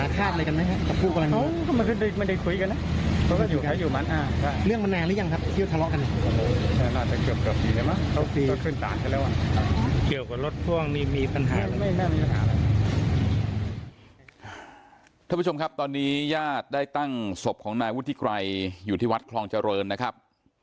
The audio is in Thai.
ท่านผู้ชมครับตอนนี้ญาติได้ตั้งศพของนายวุฒิไกรอยู่ที่วัดคลองเจริญนะครับ